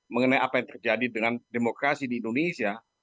mengenai apa yang terjadi dengan demokrasi di indonesia